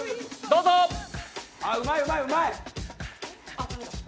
うまい、うまい、うまい！